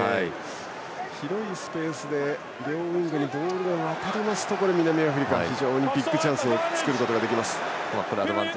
広いスペースで両ウイングにボールが渡ると南アフリカはビッグチャンスを作ることができます。